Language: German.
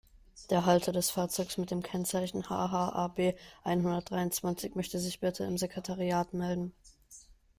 Der Halter des Fahrzeugs mit dem Kennzeichen HH-AB-einhundertdreiundzwanzig möchte sich bitte im Sekretariat melden.